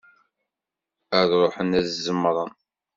Ad ruḥen ad ẓemmren.